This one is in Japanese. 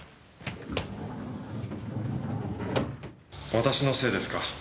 私のせいですか。